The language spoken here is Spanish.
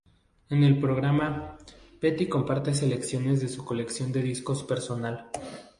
En el programa, Petty comparte selecciones de su colección de discos personal.